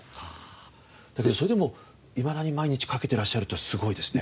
だけどそれでもいまだに毎日書けていらっしゃるっていうのはすごいですね。